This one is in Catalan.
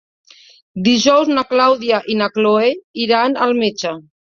Dijous na Clàudia i na Cloè iran al metge.